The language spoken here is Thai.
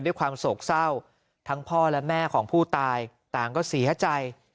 ด้วยความโศกเศร้าทั้งพ่อและแม่ของผู้ตายต่างก็เสียใจ